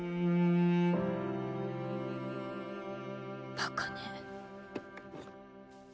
バカね。